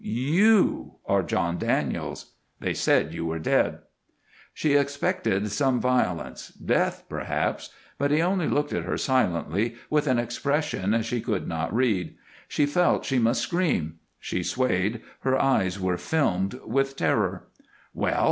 You are John Daniels! They said you were dead." She expected some violence death, perhaps, but he only looked at her silently with an expression she could not read. She felt she must scream. She swayed, her eyes were filmed with terror. "Well!